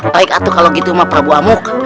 baik aku kalau gitu sama prabu amuk